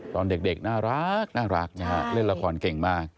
ตอนเด็กน่ารักนะฮะเล่นละครเก่งมาก